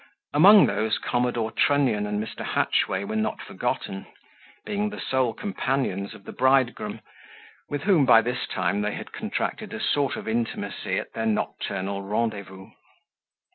Among these, commodore Trunnion and Mr. Hatchway were not forgotten, being the sole companions of the bridegroom, with whom, by this time, they had contracted a sort of intimacy at their nocturnal rendezvous.